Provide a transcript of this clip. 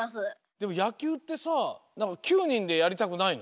でもやきゅうってさなんか９にんでやりたくないの？